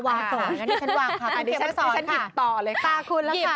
วางต่อค่ะอันนี้ฉันวางค่ะดิฉันก็สอนค่ะอันนี้ฉันหยิบต่อเลยค่ะ